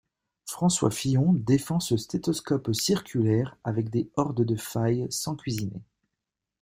François Fillon défend ce stéthoscope circulaire avec des hordes de failles sans cuisiner.